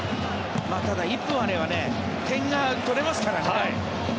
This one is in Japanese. ただ、１分あれば点が取れますからね。